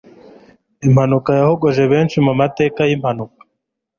Impanuka yahogoje benshi mu mateka y'impanuka